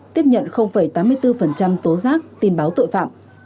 tiếp nhận tám mươi bốn tố giác tin báo tội phạm